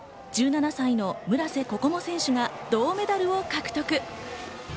１７歳の村瀬心椛選手が銅メダルを獲得。